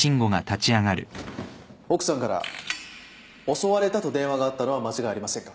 奥さんから襲われたと電話があったのは間違いありませんか。